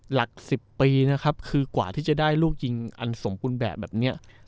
หลัก๑๐ปีนะครับคือกว่าที่จะได้ลูกยิงอันสมบูรณ์แบบแบบนี้